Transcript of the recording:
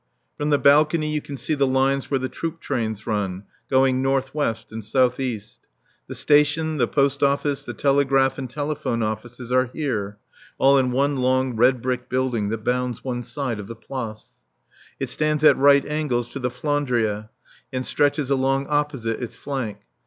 From the balcony you can see the lines where the troop trains run, going north west and south east. The Station, the Post Office, the Telegraph and Telephone Offices are here, all in one long red brick building that bounds one side of the Place. It stands at right angles to the Flandria and stretches along opposite its flank.